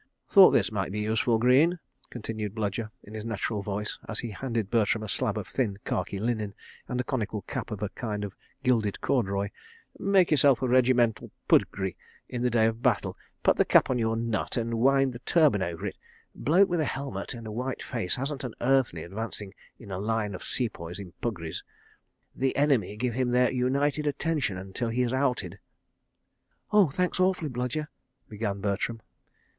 "Thought this might be useful, Greene," continued Bludyer in his natural voice, as he handed Bertram a slab of thin khaki linen and a conical cap of a kind of gilded corduroy. "Make yourself a regimental puggri in the day of battle. Put the cap on your nut and wind the turban over it. ... Bloke with a helmet and a white face hasn't an earthly, advancing with a line of Sepoys in puggris. The enemy give him their united attention until he is outed. ..." "Oh, thanks, awfully, Bludyer," began Bertram.